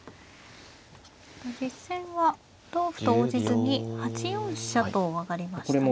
実戦は同歩と応じずに８四飛車と上がりましたね。